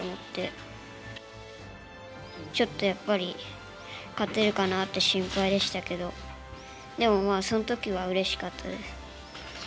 ちょっとやっぱり勝てるかなって心配でしたけどでもまあその時はうれしかったです。